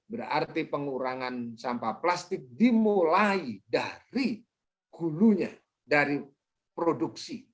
berarti pengurangan sampah plastik dimulai dari hulunya dari produksi